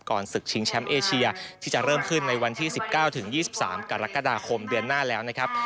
ศึกชิงแชมป์เอเชียที่จะเริ่มขึ้นในวันที่๑๙๒๓กรกฎาคมเดือนหน้าแล้วนะครับ